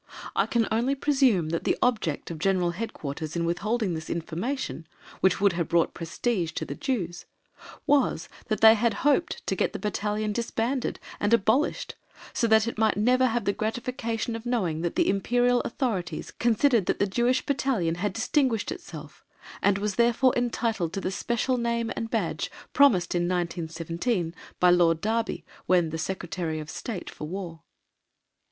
I can only presume that the object of G.H.Q. in withholding this information, which would have brought prestige to the Jews, was that they had hoped to get the Battalion disbanded and abolished so that it might never have the gratification of knowing that the Imperial Authorities considered that the Jewish Battalion had distinguished itself, and was therefore entitled to the special name and badge promised in 1917 by Lord Derby when Secretary of State for War.